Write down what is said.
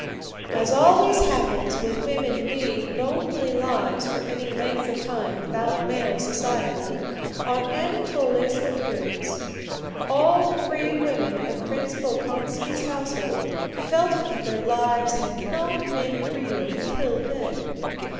As always happens when women lead lonely lives for any length of time without male society, on Anatole's appearance all the three women of Prince Bolkónski's household felt that their life had not been real till then.